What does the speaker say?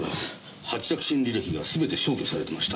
発着信履歴が全て消去されていました。